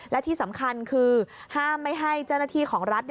และที่สำคัญคือห้ามไม่ให้เจ้าหน้าที่ของรัฐ